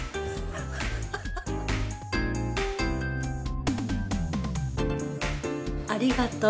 「ありがとう」。